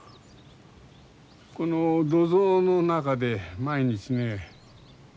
この土蔵の中で毎日ね